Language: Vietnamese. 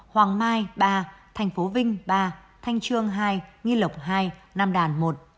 hoàng mai ba thành phố vinh ba thanh trương hai nghi lộc hai nam đàn một